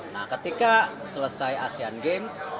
nah ketika selesai asean games